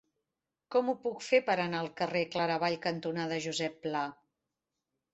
Com ho puc fer per anar al carrer Claravall cantonada Josep Pla?